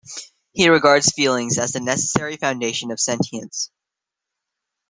He regards feelings as the necessary foundation of sentience.